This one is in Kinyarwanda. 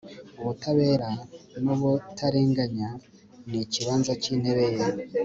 ubutabera n'ubutarenganya ni ikibanza cy'intebe ye